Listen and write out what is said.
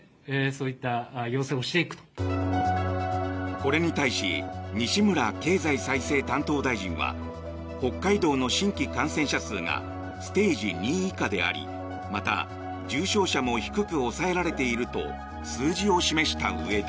これに対し西村経済再生担当大臣は北海道の新規感染者数がステージ２以下でありまた、重症者も低く抑えられていると数字を示したうえで。